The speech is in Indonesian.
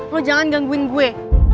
lo jangan gangguin gue